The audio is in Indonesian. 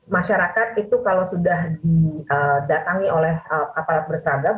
masyarakat itu kalau sudah didatangi oleh aparat berseragam